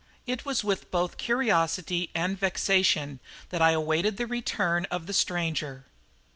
It was with both curiosity and vexation that I awaited the return of the stranger.